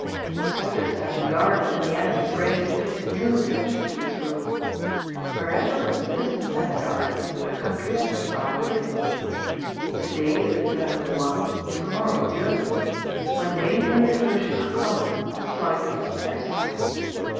The soldier standing guard within the enemy's range is no exception to this rule. Wherever a citizen stands guard, the country stands guard with him: to day it is the turn of the one, to morrow of the other. When danger and devotion are common, flight is parricide.